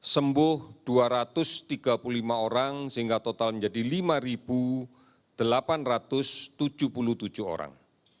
sembuh dua ratus tiga puluh lima orang sehingga total menjadi lima delapan ratus tujuh puluh tujuh orang